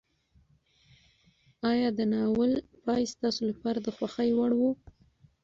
ایا د ناول پای ستاسو لپاره د خوښۍ وړ و؟